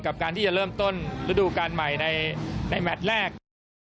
กับการที่จะเริ่มต้นฤดูการใหม่ในแมตรแรก